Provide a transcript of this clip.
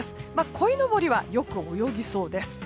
こいのぼりはよく泳ぎそうです。